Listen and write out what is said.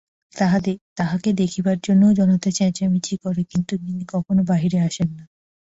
তাহাকে দেখিবার জন্যও জনতা চেচামেচি করে কিন্তু তিনি কখনো বাহিরে আসেন না।